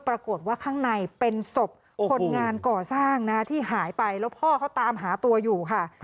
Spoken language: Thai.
ปรากฏว่าข้างในเป็นศพคนงานก่อสร้างนะที่หายไปแล้วพ่อเขาตามหาตัวอยู่ค่ะ